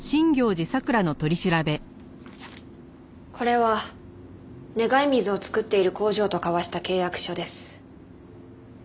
これは願い水を作っている工場と交わした契約書です。